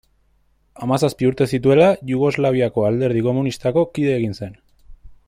Hamazazpi urte zituela, Jugoslaviako Alderdi Komunistako kide egin zen.